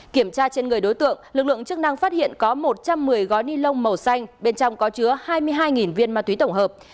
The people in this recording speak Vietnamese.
kiểm tra trên người đối tượng lực lượng chức năng phát hiện có một trăm một mươi gói ni lông màu xanh bên trong có chứa hai mươi hai viên ma túy tổng hợp